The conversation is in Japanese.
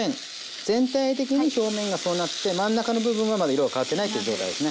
全体的に表面がそうなって真ん中の部分はまだ色が変わってないという状態ですね。